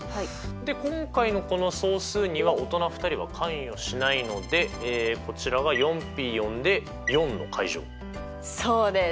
で今回のこの総数には大人２人は関与しないのでこちらがそうです。